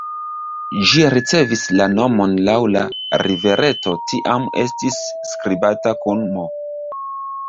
Ĝi ricevis la nomon laŭ la rivereto, tiam estis skribata kun "m".